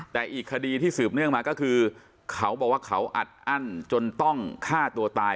แต่อีกคดีที่สืบเนื่องมาก็คือเขาบอกว่าเขาอัดอั้นจนต้องฆ่าตัวตาย